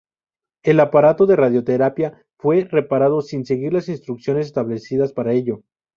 El aparato de radioterapia fue reparado sin seguir las instrucciones establecidas para ello.